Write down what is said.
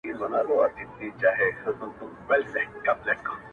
زه مي پر خپلي بې وسۍ باندي پښېمان هم يم~